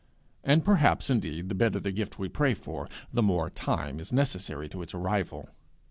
And perhaps, indeed, the better the gift we pray for, the more time is necessary to its arrival.